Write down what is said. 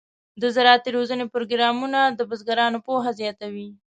د زراعتي روزنې پروګرامونه د بزګرانو پوهه زیاتوي.